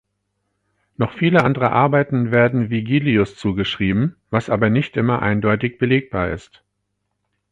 Noch viele andere Arbeiten werden Vigilius zugeschrieben, was aber nicht immer eindeutig belegbar ist.